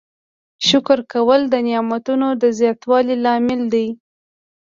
شکر کول د نعمتونو د زیاتوالي لامل دی.